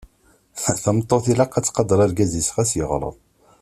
Tameṭṭut ilaq ad tqader argaz-is ɣas yeɣleḍ.